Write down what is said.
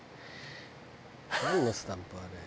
「なんのスタンプ？あれ」